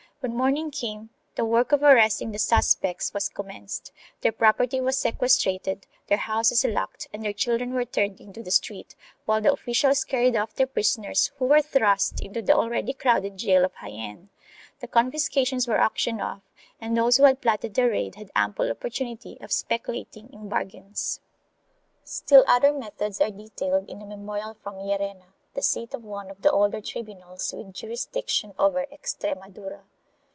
When morning came the work of arresting the suspects was commenced; their property was sequestrated, their houses locked and their children were turned into the street, while the officials carried off their prisoners, who were thrust into the already crowded gaol of 1 Archive de Simancas, Patronato Real, Inquisicion, Leg. tinico, fol. 43. CHAP. IV] INQUISITORIAL METHODS 213 Jaen. The confiscations were auctioned off and those who had plotted the raid had ample opportunity of speculating in bar gains.1 Still other methods are detailed in a memorial from Llerena, the seat of one of the older tribunals with jurisdiction over Extremadura.